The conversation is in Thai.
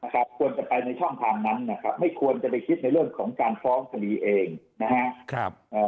ควรจะไปในช่องทางนั้นนะครับไม่ควรจะไปคิดในเรื่องของการฟ้องคดีเองนะครับ